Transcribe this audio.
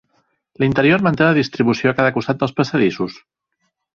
L'interior manté la distribució a cada costat dels passadissos.